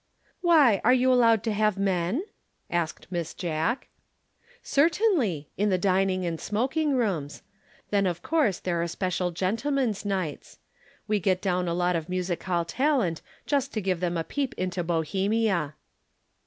"Why, are you allowed to have men?" asked Miss Jack. "Certainly in the dining and smoking rooms. Then of course there are special gentlemen's nights. We get down a lot of music hall talent just to let them have a peep into Bohemia."